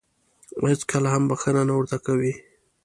هېڅکله هم بښنه نه ورته کوي .